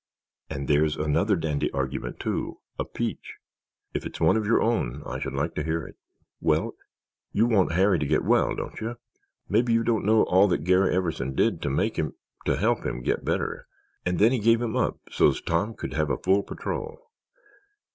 "And there's another dandy argument, too—a peach!" "If it's one of your own, I should like to hear it." "Well, you want Harry to get well, don't you? Maybe you don't know all that Garry Everson did to make him—to help him get better. And then he gave him up so's Tom could have a full patrol.